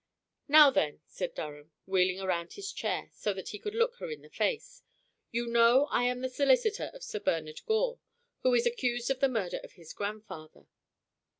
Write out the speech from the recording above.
"Now then," said Durham, wheeling round his chair so that he could look her in the face. "You know I am the solicitor of Sir Bernard Gore, who is accused of the murder of his grandfather.